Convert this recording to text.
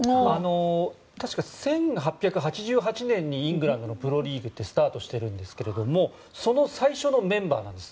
確か１８８８年にイングランドのプロリーグってスタートしてるんですけれどもその最初のメンバーなんです。